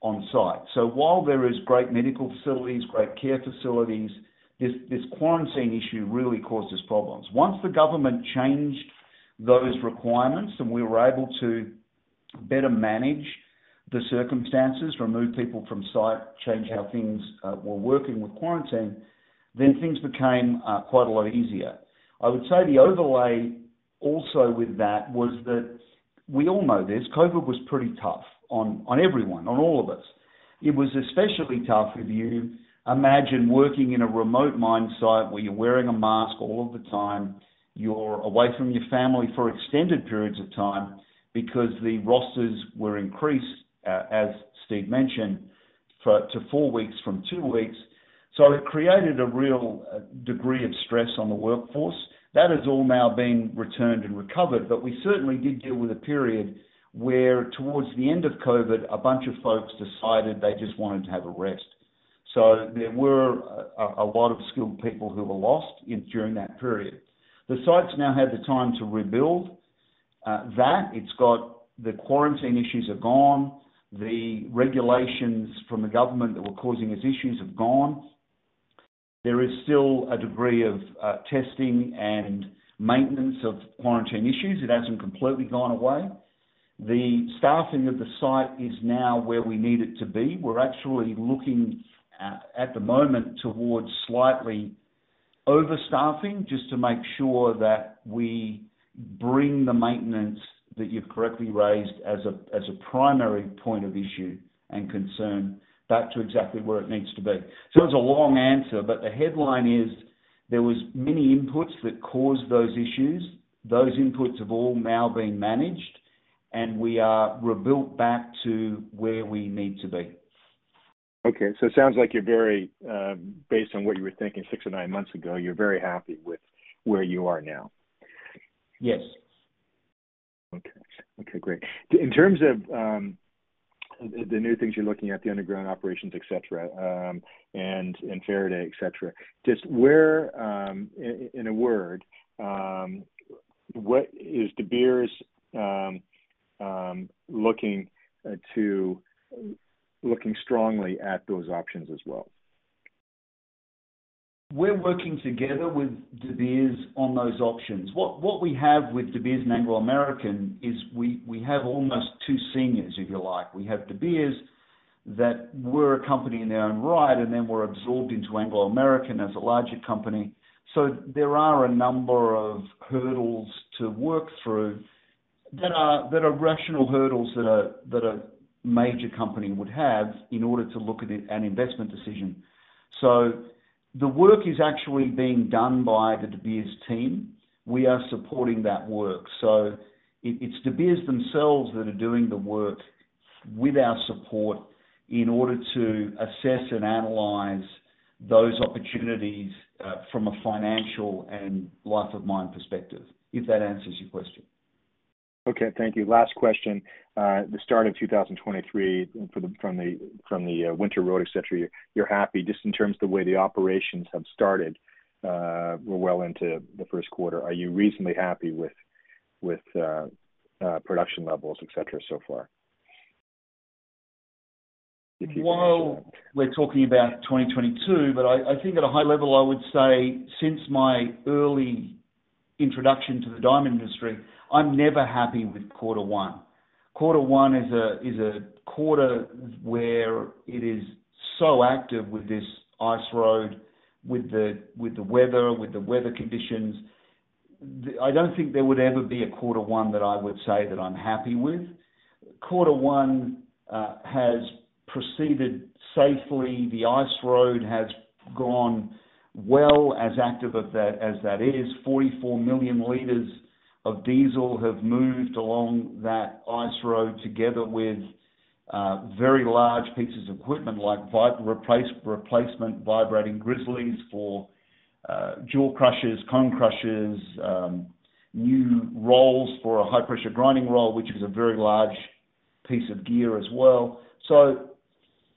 on site. While there is great medical facilities, great care facilities, this quarantine issue really causes problems. Once the government changed those requirements and we were able to better manage the circumstances, remove people from site, change how things were working with quarantine, then things became quite a lot easier. I would say the overlay also with that was that we all know this, COVID was pretty tough on everyone, on all of us. It was especially tough if you imagine working in a remote mine site where you're wearing a mask all of the time, you're away from your family for extended periods of time because the rosters were increased, as Steve mentioned, to four weeks from two weeks. It created a real degree of stress on the workforce. That has all now been returned and recovered. We certainly did deal with a period where towards the end of COVID, a bunch of folks decided they just wanted to have a rest. There were a lot of skilled people who were lost during that period. The site's now had the time to rebuild that. The quarantine issues are gone. The regulations from the government that were causing us issues have gone. There is still a degree of, testing and maintenance of quarantine issues. It hasn't completely gone away. The staffing of the site is now where we need it to be. We're actually looking at the moment towards slightly overstaffing, just to make sure that we bring the maintenance that you've correctly raised as a, as a primary point of issue and concern back to exactly where it needs to be. It's a long answer, but the headline is there was many inputs that caused those issues. Those inputs have all now been managed, and we are rebuilt back to where we need to be. Okay. It sounds like you're very, based on what you were thinking six or nine months ago, you're very happy with where you are now. Yes. Okay. Okay, great. In terms of the new things you're looking at, the underground operations, et cetera, and Faraday, et cetera. Just where, in a word, what is De Beers looking strongly at those options as well? We're working together with De Beers on those options. What we have with De Beers and Anglo American is we have almost two seniors, if you like. We have De Beers that were a company in their own right, and then were absorbed into Anglo American as a larger company. There are a number of hurdles to work through that are rational hurdles that a major company would have in order to look at an investment decision. The work is actually being done by the De Beers team. We are supporting that work. It's De Beers themselves that are doing the work with our support in order to assess and analyze those opportunities from a financial and life of mine perspective, if that answers your question. Okay, thank you. Last question. The start of 2023 from the winter road, et cetera, you're happy just in terms of the way the operations have started, we're well into the first quarter. Are you reasonably happy with production levels, et cetera, so far? We're talking about 2022, but I think at a high level, I would say since my early introduction to the diamond industry, I'm never happy with Quarter one. Quarter one is a quarter where it is so active with this ice road, with the weather, with the weather conditions. I don't think there would ever be a Quarter one that I would say that I'm happy with. Quarter one has proceeded safely. The ice road has gone well, as active as that is. 44 million liters of diesel have moved along that ice road together with very large pieces of equipment like replacement vibrating grizzlies for jaw crushers, cone crushers, new rolls for a high pressure grinding roll, which is a very large piece of gear as well.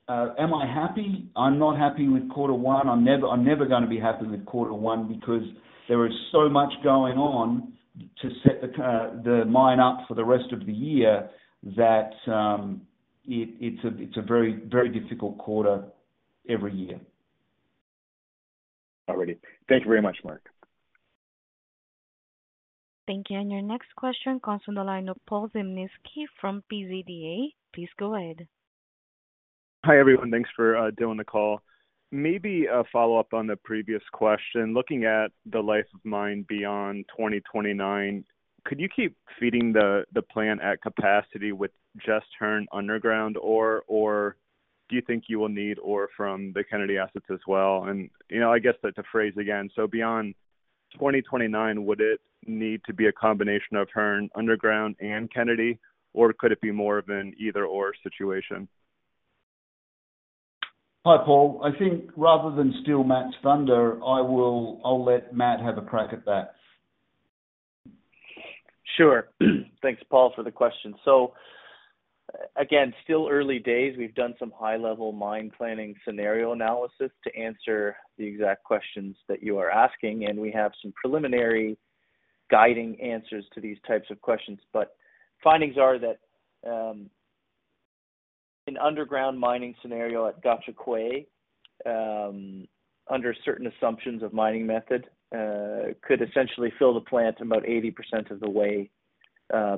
Am I happy? I'm not happy with quarter one. I'm never gonna be happy with quarter one because there is so much going on to set the mine up for the rest of the year that it's a very, very difficult quarter every year. All right. Thank you very much, Mark. Thank you. Your next question comes from the line of Paul Zimnisky from PZDA. Please go ahead. Hi, everyone. Thanks for doing the call. Maybe a follow-up on the previous question. Looking at the life of mine beyond 2029, could you keep feeding the plant at capacity with just Hearne underground ore? Or do you think you will need ore from the Kennedy assets as well? You know, I guess that to phrase again, beyond 2029, would it need to be a combination of Hearne underground and Kennedy, or could it be more of an either/or situation? Hi, Paul. I think rather than steal Matt's thunder, I'll let Matt have a crack at that. Sure. Thanks, Paul, for the question. Again, still early days. We've done some high-level mine planning scenario analysis to answer the exact questions that you are asking, and we have some preliminary guiding answers to these types of questions. Findings are that, an underground mining scenario at Gahcho Kué, under certain assumptions of mining method, could essentially fill the plant about 80% of the way,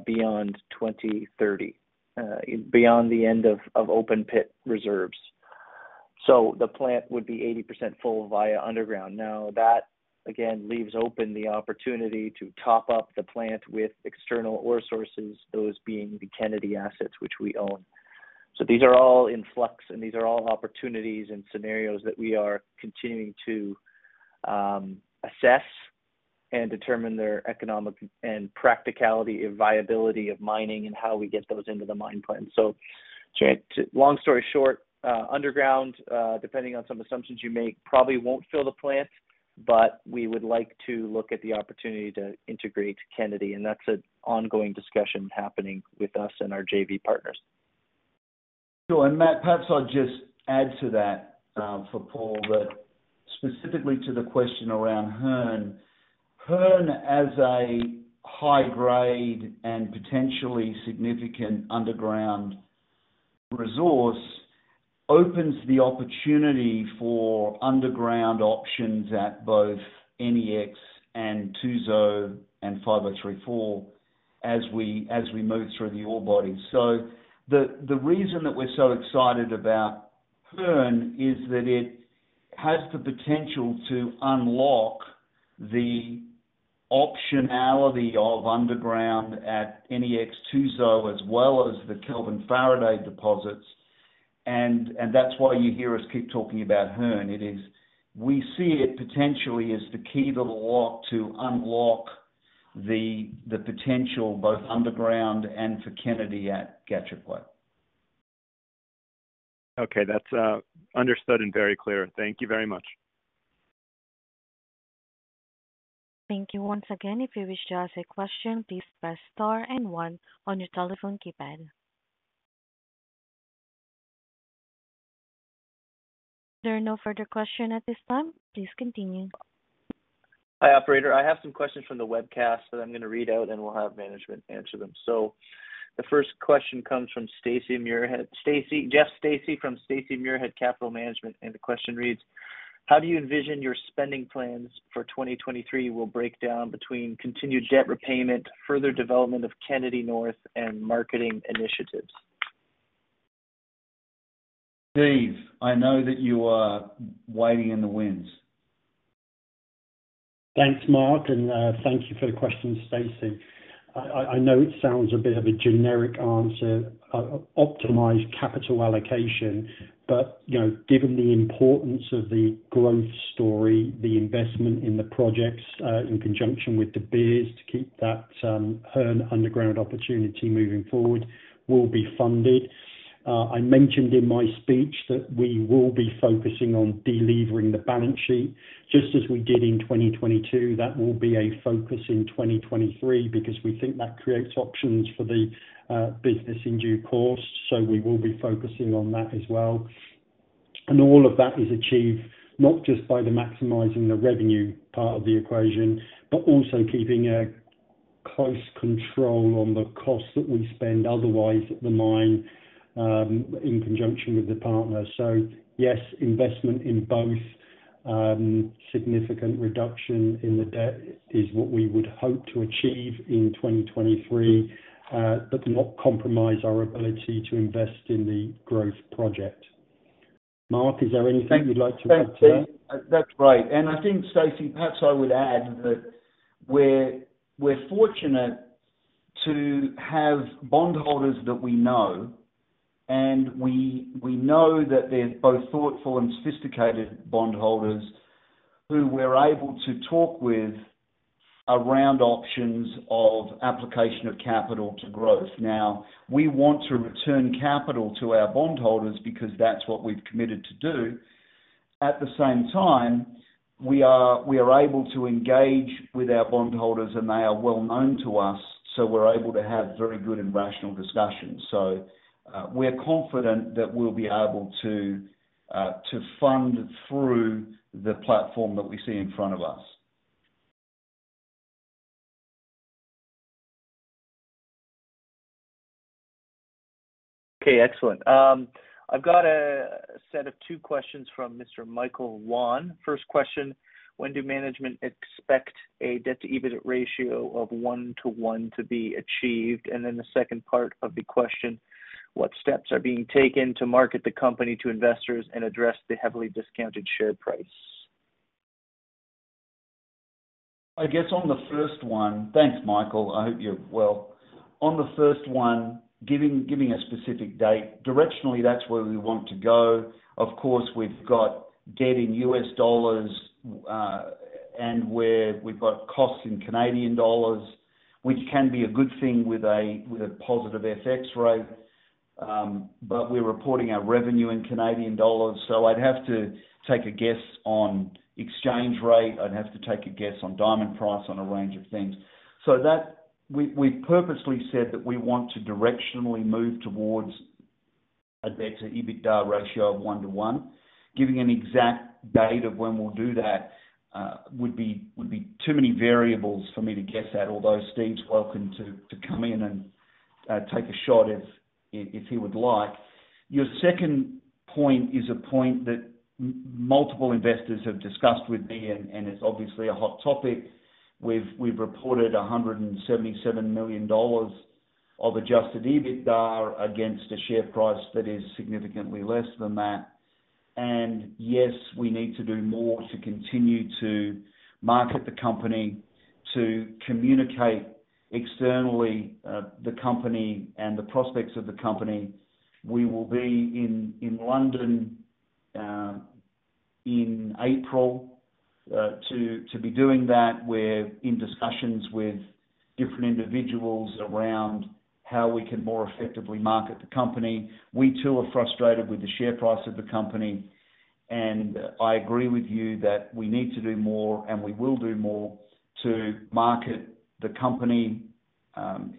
beyond 2030, beyond the end of open pit reserves. The plant would be 80% full via underground. That again leaves open the opportunity to top up the plant with external ore sources, those being the Kennedy assets, which we own. These are all in flux, and these are all opportunities and scenarios that we are continuing to assess and determine their economic and practicality and viability of mining and how we get those into the mine plan. Long story short, underground, depending on some assumptions you make, probably won't fill the plant, but we would like to look at the opportunity to integrate Kennedy, and that's an ongoing discussion happening with us and our JV partners. Sure. Matt, perhaps I'll just add to that for Paul. Specifically to the question around Hearne. Hearne as a high grade and potentially significant underground resource, opens the opportunity for underground options at both NEX and Tuzo and 5034 as we move through the ore body. The reason that we're so excited about Hearne is that it has the potential to unlock the optionality of underground at NEX Tuzo as well as the Kelvin Faraday deposits. That's why you hear us keep talking about Hearne. It is, we see it potentially as the key to the lock, to unlock the potential both underground and for Kennedy at Gahcho Kué. Okay. That's understood and very clear. Thank you very much. Thank you. Once again, if you wish to ask a question, please press star and one on your telephone keypad. There are no further question at this time. Please continue. Hi, operator. I have some questions from the webcast that I'm gonna read out, and we'll have management answer them. The first question comes from Stacy Muirhead. Jeff Stacy from Stacy Muirhead Capital Management, and the question reads: How do you envision your spending plans for 2023 will break down between continued debt repayment, further development of Kennedy North, and marketing initiatives? Steve, I know that you are waiting in the wings. Thanks, Mark, and thank you for the question, Stacy. I know it sounds a bit of a generic answer, optimize capital allocation, but, you know, given the importance of the growth story, the investment in the projects, in conjunction with De Beers to keep that Hearne underground opportunity moving forward will be funded. I mentioned in my speech that we will be focusing on delevering the balance sheet just as we did in 2022. That will be a focus in 2023 because we think that creates options for the business in due course. We will be focusing on that as well. All of that is achieved not just by the maximizing the revenue part of the equation, but also keeping a close control on the costs that we spend otherwise at the mine, in conjunction with the partner. Yes, investment in both, significant reduction in the debt is what we would hope to achieve in 2023, but not compromise our ability to invest in the growth project. Mark, is there anything you'd like to add to that? That's right. I think, Stacy, perhaps I would add that we're fortunate to have bondholders that we know, and we know that they're both thoughtful and sophisticated bondholders who we're able to talk with around options of application of capital to growth. We want to return capital to our bondholders because that's what we've committed to do. At the same time, we are able to engage with our bondholders, and they are well-known to us, so we're able to have very good and rational discussions. We're confident that we'll be able to fund through the platform that we see in front of us. Okay, excellent. I've got a set of two questions from Mr. Michael Wan. First question, when do management expect a debt-to-EBITDA ratio of one-to-one to be achieved? The second part of the question, what steps are being taken to market the company to investors and address the heavily discounted share price? I guess on the first one. Thanks, Michael Wan. I hope you're well. On the first one, giving a specific date, directionally, that's where we want to go. Of course, we've got debt in US dollars, and where we've got costs in Canadian dollars, which can be a good thing with a positive FX rate. We're reporting our revenue in Canadian dollars, so I'd have to take a guess on exchange rate. I'd have to take a guess on diamond price on a range of things. We've purposely said that we want to directionally move towards a better EBITDA ratio of one-to-one. Giving an exact date of when we'll do that, would be too many variables for me to guess at, although Steven's welcome to come in and take a shot if he would like. Your second point is a point that multiple investors have discussed with me, and it's obviously a hot topic. We've reported $177 million of adjusted EBITDA against a share price that is significantly less than that. Yes, we need to do more to continue to market the company to communicate externally, the company and the prospects of the company. We will be in London in April to be doing that. We're in discussions with different individuals around how we can more effectively market the company. We too are frustrated with the share price of the company, and I agree with you that we need to do more, and we will do more to market the company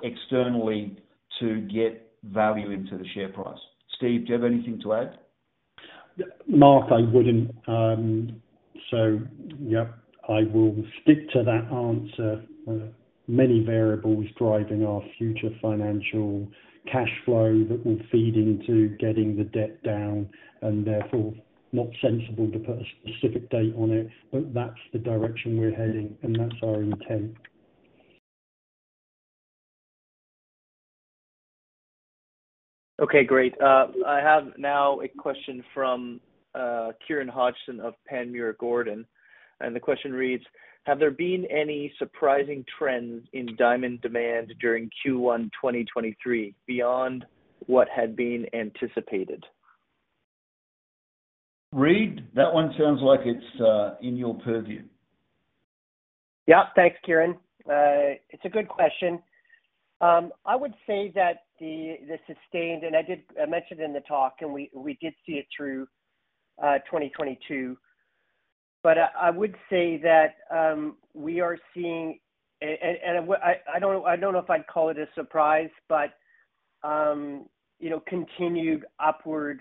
externally to get value into the share price. Steve, do you have anything to add? Yeah. Mark, I wouldn't. I will stick to that answer. Many variables driving our future financial cash flow that will feed into getting the debt down and therefore not sensible to put a specific date on it. That's the direction we're heading, and that's our intent. Okay, great. I have now a question from Kieron Hodgson of Panmure Gordon. The question reads: Have there been any surprising trends in diamond demand during Q1 2023 beyond what had been anticipated? Reid, that one sounds like it's in your purview. Thanks, Kieron. It's a good question. I would say that the sustained, and I mentioned in the talk, and we did see it through 2022. I would say that we are seeing, I don't, I don't know if I'd call it a surprise but, you know, continued upward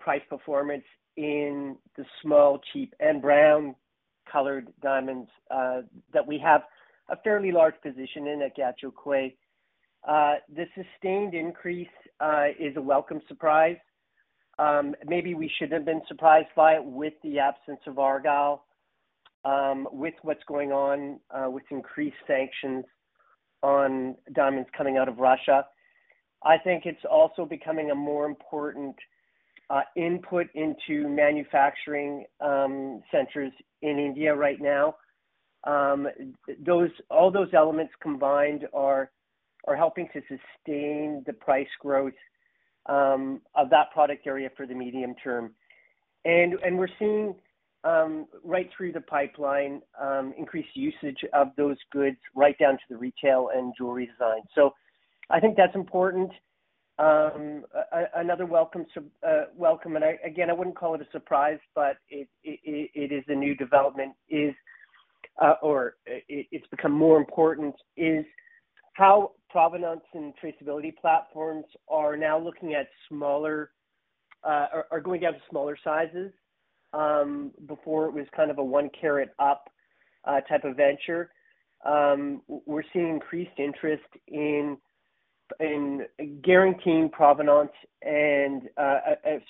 price performance in the small, cheap and brown-colored diamonds that we have a fairly large position in at Gahcho Kué. The sustained increase is a welcome surprise. Maybe we shouldn't have been surprised by it with the absence of Argyle, with what's going on with increased sanctions on diamonds coming out of Russia. I think it's also becoming a more important input into manufacturing centers in India right now. All those elements combined are helping to sustain the price growth of that product area for the medium term. We're seeing right through the pipeline increased usage of those goods right down to the retail and jewelry design. I think that's important. Another welcome, and again, I wouldn't call it a surprise, but it is a new development, or it's become more important, is how provenance and traceability platforms are now looking at smaller, are going down to smaller sizes. Before it was kind of a one carat up type of venture. We're seeing increased interest in guaranteeing provenance and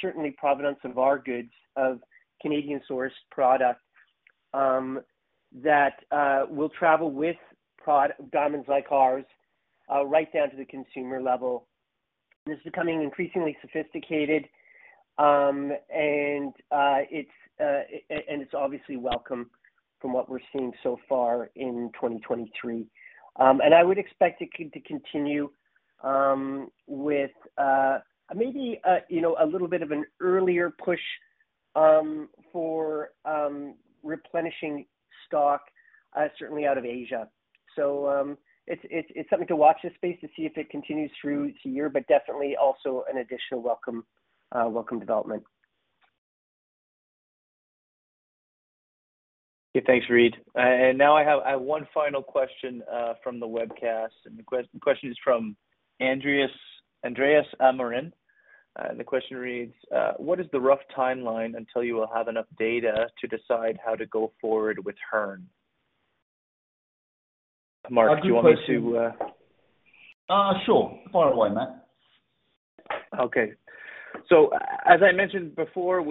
certainly provenance of our goods, of Canadian-sourced product, that will travel with diamonds like ours right down to the consumer level. This is becoming increasingly sophisticated, and it's obviously welcome from what we're seeing so far in 2023. I would expect it to continue, with, you know, a little bit of an earlier push for replenishing Stock, certainly out of Asia. It's something to watch this space to see if it continues through to year, but definitely also an additional welcome development. Okay. Thanks, Reid. Now I have one final question from the webcast. The question is from Andreas Amarin. The question reads, "What is the rough timeline until you will have enough data to decide how to go forward with Hearne?" Mark, do you want me to. sure. Fire away, Matt. Okay. As I mentioned before,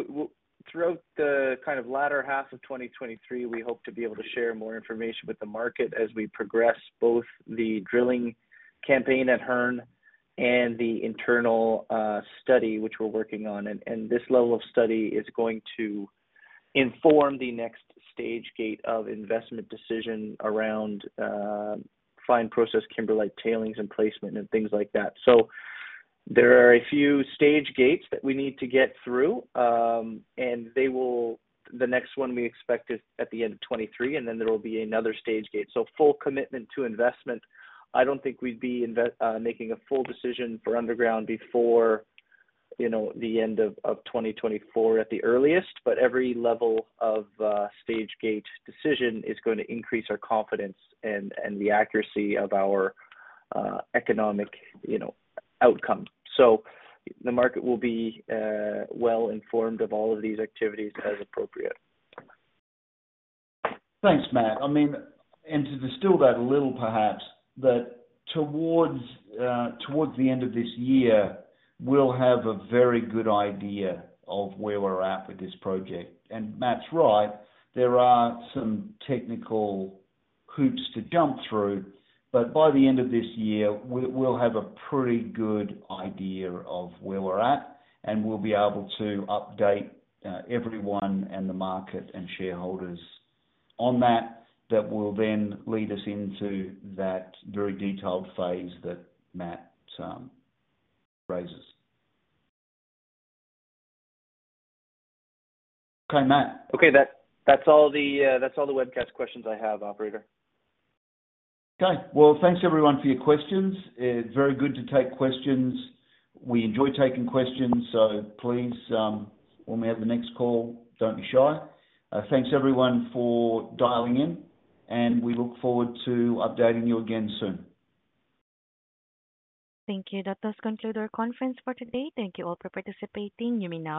throughout the kind of latter half of 2023, we hope to be able to share more information with the market as we progress both the drilling campaign at Hearne and the internal study, which we're working on. This level of study is going to inform the next stage gate of investment decision around fine process, kimberlite, tailings, and placement and things like that. There are a few stage gates that we need to get through. The next one we expect is at the end of 2023, there will be another stage gate. Full commitment to investment, I don't think we'd be making a full decision for underground before, you know, the end of 2024 at the earliest. every level of stage gate decision is gonna increase our confidence and the accuracy of our economic, you know, outcome. The market will be well informed of all of these activities as appropriate. Thanks, Matt. I mean, to distill that a little, perhaps, that towards the end of this year, we'll have a very good idea of where we're at with this project. Matt's right, there are some technical hoops to jump through, but by the end of this year, we'll have a pretty good idea of where we're at, and we'll be able to update everyone in the market and shareholders on that will then lead us into that very detailed phase that Matt raises. Okay, Matt. Okay. That's all the webcast questions I have, operator. Thanks everyone for your questions. It's very good to take questions. We enjoy taking questions, so please, when we have the next call, don't be shy. Thanks everyone for dialing in, and we look forward to updating you again soon. Thank you. That does conclude our conference for today. Thank you all for participating. You may now disconnect.